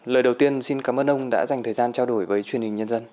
lời đầu tiên xin cảm ơn ông đã dành thời gian trao đổi với truyền hình nhân dân